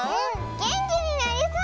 げんきになりそう！